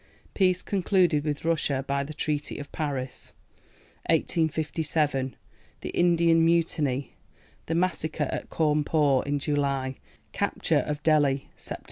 Peace concluded with Russia by the Treaty of Paris. 1857. THE INDIAN MUTINY. The massacre at Cawnpore (July). Capture of Delhi (Sept.).